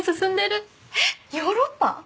えっヨーロッパ？